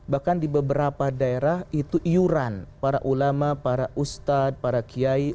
bahkan di beberapa daerah itu iuran para ulama para ustadz para kiai